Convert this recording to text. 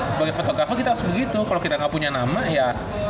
sebagai fotografer kita harus begitu kalau kita nggak punya nama ya